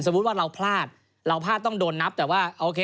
ว่าเราพลาดเราพลาดต้องโดนนับแต่ว่าโอเค